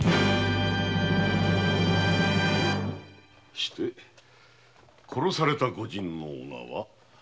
して殺された御仁の名は？